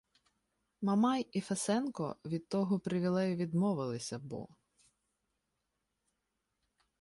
Мамай і Фесенко від того привілею відмовилися, бо.